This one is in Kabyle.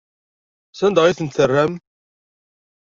Sanda ay tent-terram?